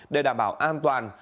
để đảm bảo an toàn